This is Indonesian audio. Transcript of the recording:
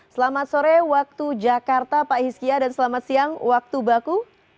selamat sore waktu jakarta pak hiskia dan selamat siang waktu baku